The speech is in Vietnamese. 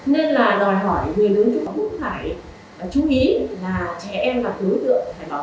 nên là đòi hỏi người lớn chúng ta cũng phải chú ý là trẻ em là tối tượng